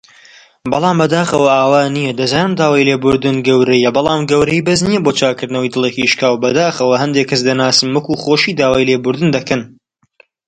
مەترسە! بە خوا لەم گەڕەکە هیچ کەس کۆمۆنیستی خۆش ناوێ